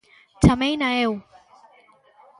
Chameina eu.